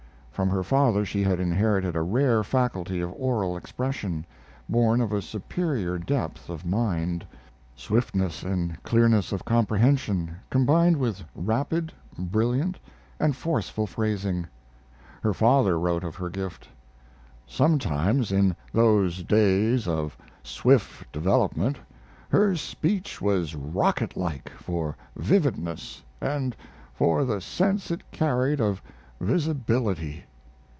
From her father she had inherited a rare faculty of oral expression, born of a superior depth of mind, swiftness and clearness of comprehension, combined with rapid, brilliant, and forceful phrasing. Her father wrote of her gift: Sometimes in those days of swift development her speech was rocket like for vividness and for the sense it carried of visibility.